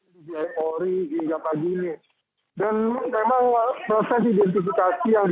lapas kelas satu tangerang